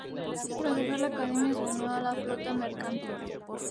Tras dejar la Academia, se unió a la flota mercante.